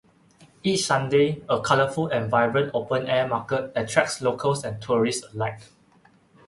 Each Sunday, a colorful and vibrant open-air market attracts locals and tourists alike.